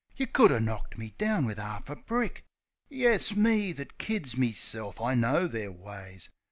You could er knocked me down wiv 'arf a brick ! Yes, me, that kids meself I know their ways.